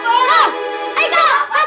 kau ikut aku